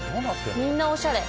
みんなおしゃれ。